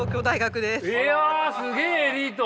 いやすげえエリート。